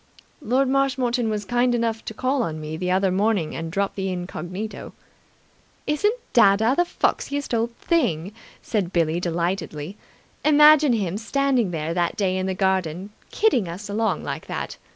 "Lord Marshmoreton was kind enough to call on me the other morning and drop the incognito." "Isn't dadda the foxiest old thing!" said Billie delightedly. "Imagine him standing there that day in the garden, kidding us along like that!